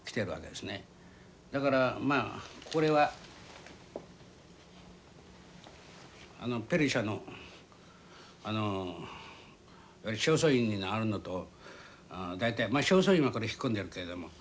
だからまあこれはペルシャのあの正倉院にあるのと大体正倉院はこれ引っ込んでるけども。